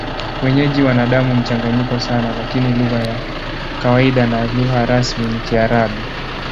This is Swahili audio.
Wenyeji wana damu mchanganyiko sana, lakini lugha ya kawaida na lugha rasmi ni Kiarabu.